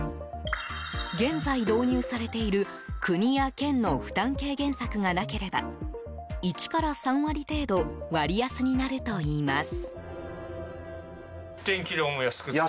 現在導入されている国や県の負担軽減策がなければ１から３割程度割安になるといいます。